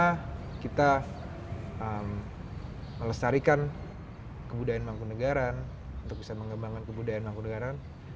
karena kita melestarikan kebudayaan mangkunagaran untuk bisa mengembangkan kebudayaan mangkunegara